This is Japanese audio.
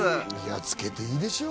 つけていいでしょう。